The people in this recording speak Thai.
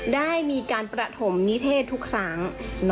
ได้มีการประถมนิเทศทุกครั้ง